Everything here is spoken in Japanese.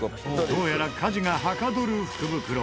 どうやら家事がはかどる福袋。